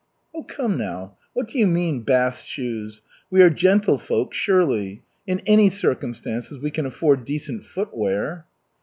"Oh, come now, what do you mean bast shoes? We are gentlefolk, surely. In any circumstances we can afford decent footwear."